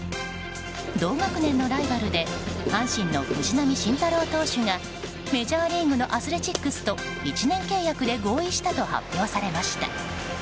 同学年のライバルで阪神の藤浪晋太郎投手がメジャーリーグのアスレチックスと１年契約で合意したと発表されました。